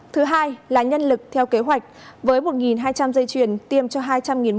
thứ hai là nhân lực theo kế hoạch